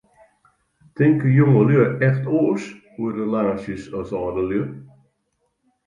Tinke jongelju echt oars oer relaasjes as âldelju?